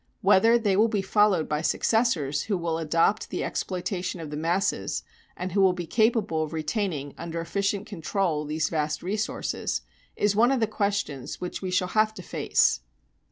Whether they will be followed by successors who will adopt the exploitation of the masses, and who will be capable of retaining under efficient control these vast resources, is one of the questions which we shall have to face.